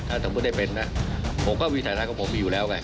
ถ้าถ้าไม่ได้เป็นนะผมก็วิทยาศาสตร์ของผมมีอยู่แล้วไง